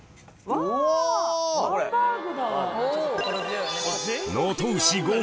わぁハンバーグだ。